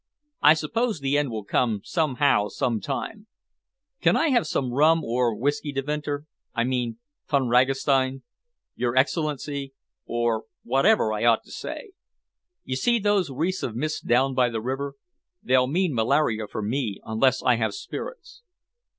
I suppose the end will come somehow, sometime Can I have some rum or whisky, Devinter I mean Von Ragastein Your Excellency or whatever I ought to say? You see those wreaths of mist down by the river? They'll mean malaria for me unless I have spirits."